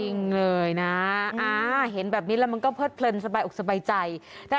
จริงเลยนะอ่าเห็นแบบนี้แล้วมันก็เพิดเพลินสบายอกสบายใจแต่